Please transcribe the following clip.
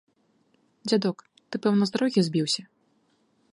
Дзядок, ты, пэўна, з дарогі збіўся?